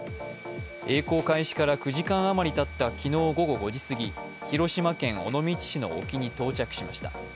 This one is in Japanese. えい航開始から９時間余りたった昨日午後５時すぎ、広島県尾道市の沖に到着しました。